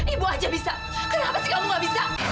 ibu aja bisa kenapa sih kamu gak bisa